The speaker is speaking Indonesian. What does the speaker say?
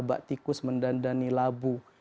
mbak tikus mendandani labu